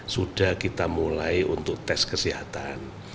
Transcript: sudah kita mulai untuk tes kesehatan